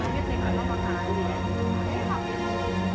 ก็ยังมีปัญหาราคาเข้าเปลือกก็ยังลดต่ำลง